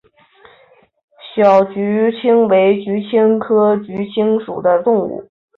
小鼩鼱为鼩鼱科鼩鼱属的动物。